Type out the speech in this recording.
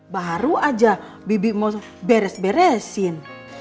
baru aja bibi mau beres beresin